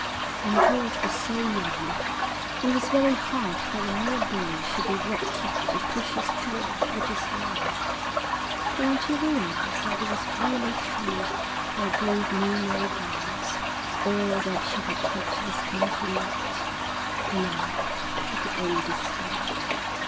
And George was so young. It was very hard that a mere boy should be robbed of the precious jewel which is life. And when she realised that it was really true, her grief knew no bounds. All that she had hoped was come to nought, and now she could only despair.